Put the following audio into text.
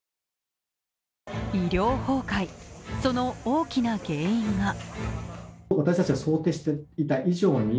その大きな原因が